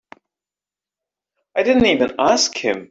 I didn't even ask him.